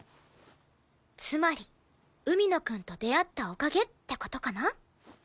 つまり海野くんと出会ったおかげって事かな？